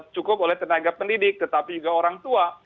cukup oleh tenaga pendidik tetapi juga orang tua